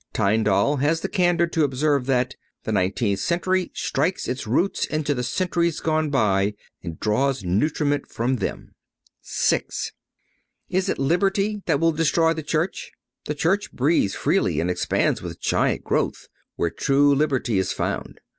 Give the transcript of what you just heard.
Tyndall has the candor to observe that "The nineteenth century strikes its roots into the centuries gone by and draws nutriment from them."(110) VI. Is it liberty that will destroy the Church? The Church breathes freely and expands with giant growth, where true liberty is found.